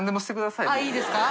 △いいですか？